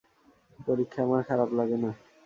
পরীক্ষা আমার খারাপ লাগে না।